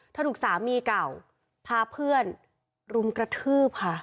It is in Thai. ถูกสามีเก่าพาเพื่อนรุมกระทืบค่ะ